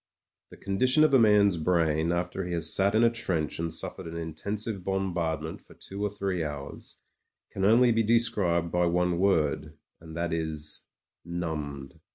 The condition of a man's brain after he has sat in a trench and suffered an intensive bombardment for two or three hours can only be described by one word, and that is — ^numbed.